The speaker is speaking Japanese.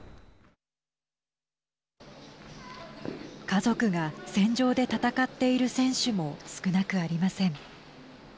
家族が戦場で戦っている選手も少なくありません。